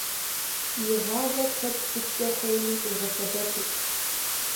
И гъавэр хэт сыткӏэ хуейми къигъэсэбэпырт.